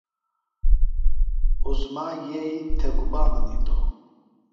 عظمیٰ یئی تھےۡ گُبا منِیتوۡ؟